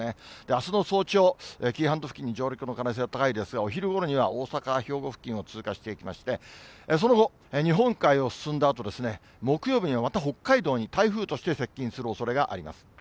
あすの早朝、紀伊半島付近に上陸の可能性が高いですが、お昼ごろには大阪、兵庫付近を通過していきまして、その後、日本海を進んだあと、木曜日にはまた北海道に台風として接近するおそれがあります。